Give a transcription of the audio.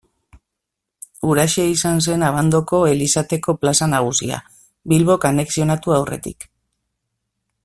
Huraxe izan zen Abandoko Elizateko plaza nagusia, Bilbok anexionatu aurretik.